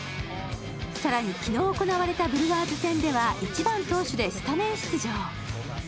更に昨日行われたブルワーズ戦では１番・投手でスタメン出場。